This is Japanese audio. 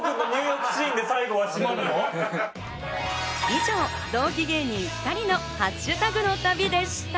以上、同期芸人２人のハッシュタグの旅でした。